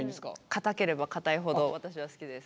硬ければ硬いほど私は好きです。